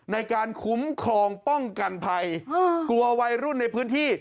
ในการคุ้มครองป้องกันภัยกลัววัยรุ่นในพื้นที่